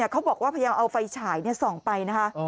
เขาบอกว่าพยายามเอาไฟฉายส่องไปนะคะ